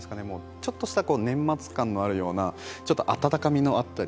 ちょっとした年末感のあるようなちょっと温かみのあったり。